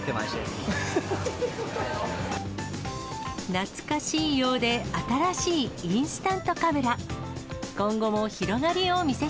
懐かしいようで新しいインスタントカメラ。